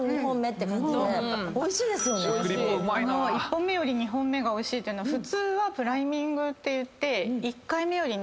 １本目より２本目がおいしいのは普通はプライミングっていって１回目より